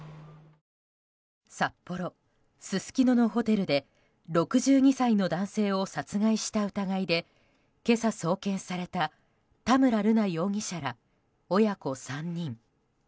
札幌・すすきののホテルで６２歳の男性を殺害した疑いで今朝、送検された田村瑠奈容疑者ら親子３人。